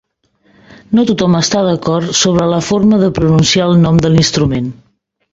No tothom està d'acord sobre la forma de pronunciar el nom de l'instrument.